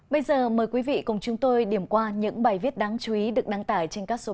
bây giờ mời quý vị cùng chúng tôi điểm qua những bài viết đáng chú ý được đăng tải trên các số báo